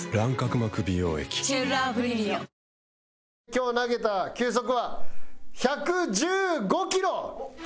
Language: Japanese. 今日投げた球速は１１５キロ。